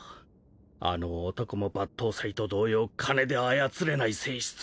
あの男も抜刀斎と同様金で操れない性質